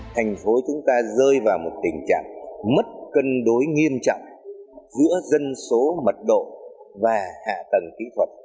thành phố chúng ta rơi vào một tình trạng mất cân đối nghiêm trọng giữa dân số mật độ và hạ tầng kỹ thuật